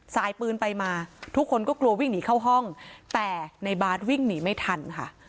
สายปืนไปมาทุกคนก็กลัววิ่งหนีเข้าห้องแต่ในบาร์ดวิ่งหนีไม่ทันค่ะ